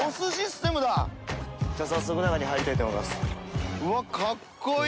じゃあ早速中に入りたいと思います。